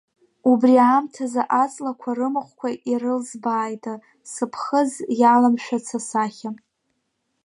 Убри аамҭазы аҵлақәа рымахәқәа ирылзбааит сыԥхыӡ иаламшәац асахьа.